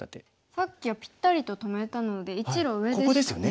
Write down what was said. さっきはぴったりと止めたので１路上でしたね。